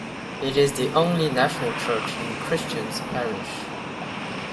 It is the only national church in Christians Parish.